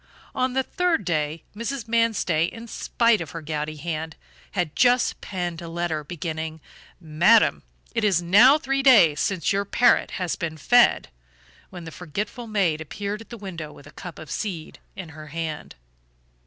On the third day, Mrs. Manstey, in spite of her gouty hand, had just penned a letter, beginning: "Madam, it is now three days since your parrot has been fed," when the forgetful maid appeared at the window with a cup of seed in her hand.